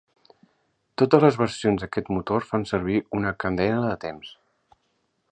Totes les versions d'aquest motor fan servir una cadena de temps.